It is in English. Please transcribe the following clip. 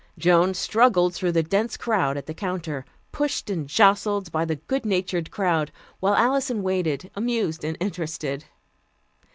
Joan struggled through the dense crowd at the counter, pushed and jostled by the good natured crowd, while Alison waited, amused and interested.